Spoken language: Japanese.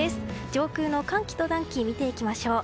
上空の寒気と暖気を見ていきましょう。